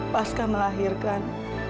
pas kamu melahirkan